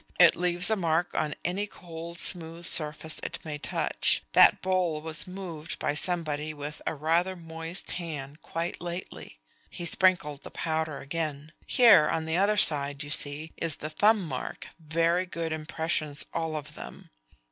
It leaves a mark on any cold smooth surface it may touch. That bowl was moved by somebody with a rather moist hand quite lately." He sprinkled the powder again. "Here on the other side, you see, is the thumb mark very good impressions all of them."